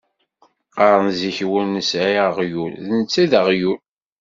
Qqaren zik win ur nesɛi aɣyul, d netta ay d aɣyul.